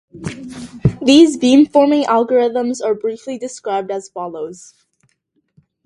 These beamforming algorithms are briefly described as follows.